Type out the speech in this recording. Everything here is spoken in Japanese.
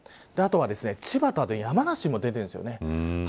あとは千葉と山梨も出ているんですよね。